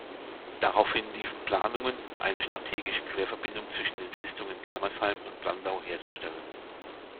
Daraufhin liefen Planungen, eine strategische Querverbindung zwischen den Festungen Germersheim und Landau herzustellen.